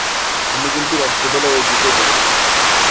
আমি কিন্তু রাত্রিবেলা ওইদিকে যাই না।